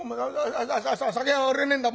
酒は売れねえんだ。